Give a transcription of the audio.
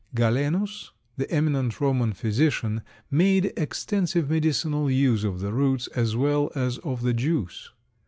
Galenus, the eminent Roman physician, made extensive medicinal use of the roots as well as of the juice.